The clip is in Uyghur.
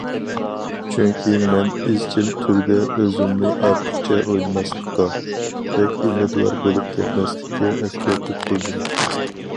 چۈنكى، مەن ئىزچىل تۈردە ئۆزۈمنى ئارتۇقچە ئويلىماسلىققا، بەك ئۈمىدۋار بولۇپ كەتمەسلىككە ئەسكەرتىپ تۇردۇم.